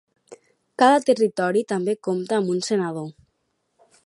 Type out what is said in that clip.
Cada territori també compta amb un senador.